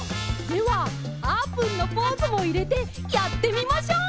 ではあーぷんのポーズもいれてやってみましょう！